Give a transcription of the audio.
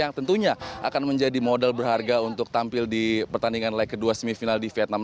yang tentunya akan menjadi modal berharga untuk tampil di pertandingan leg kedua semifinal di vietnam